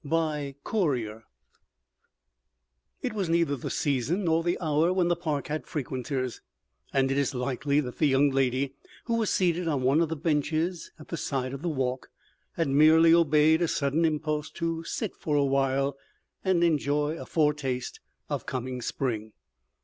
BY COURIER It was neither the season nor the hour when the Park had frequenters; and it is likely that the young lady, who was seated on one of the benches at the side of the walk, had merely obeyed a sudden impulse to sit for a while and enjoy a foretaste of coming Spring.